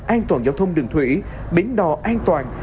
an toàn giao thông đường thủy bến đò an toàn